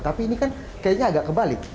tapi ini kan kayaknya agak kebalik